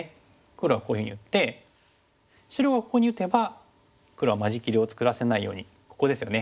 黒はこういうふうに打って白がここに打てば黒は間仕切りを作らせないようにここですよね